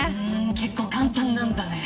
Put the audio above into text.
結構簡単なんだね。